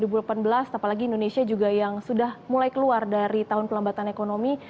di tahun dua ribu delapan belas apalagi indonesia juga yang sudah mulai keluar dari tahun kelembatan ekonomi